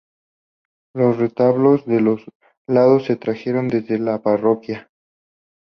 Los retablos de los lados se trajeron desde la parroquia.